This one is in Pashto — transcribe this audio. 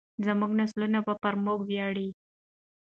زموږ نسلونه به پر موږ وویاړي.